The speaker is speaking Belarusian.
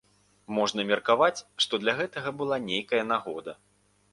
Можна меркаваць, што для гэтага была нейкая нагода.